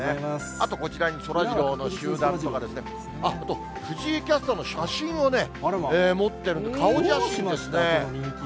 あとこちらに、そらジローの集団とかですね、あと、藤井キャスターの写真をね、持ってる、顔写真ですね。